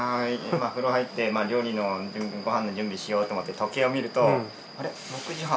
今風呂入ってご飯の準備しようと思って時計を見るとあれ６時半。